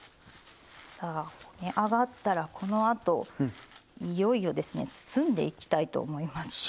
さあこね上がったらこのあといよいよですね包んでいきたいと思います。